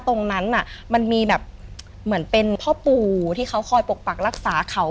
ตรงนั้นมันมีแบบเหมือนเป็นพ่อปู่ที่เขาคอยปกปักรักษาเขา